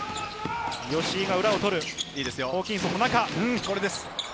吉井が裏を取る、ホーキンソンも中。